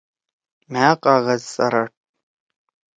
مھأ کاغذ سرَڑ۔